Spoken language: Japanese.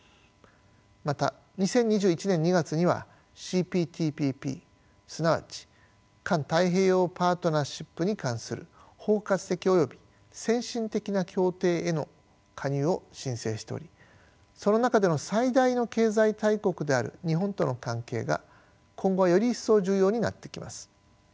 また２０２１年２月にはＣＰＴＰＰすなわち環太平洋パートナーシップに関する包括的および先進的な協定への加入を申請しておりその中での最大の経済大国である日本との関係が今後はより一層重要になってきます。